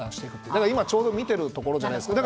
だから今、ちょうど見ているところじゃないですか。